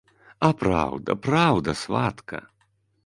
А праўда, праўда, сватка!